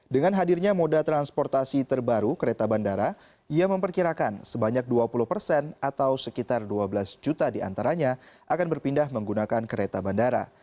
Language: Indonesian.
dengan hadirnya moda transportasi terbaru kereta bandara ia memperkirakan sebanyak dua puluh persen atau sekitar dua belas juta diantaranya akan berpindah menggunakan kereta bandara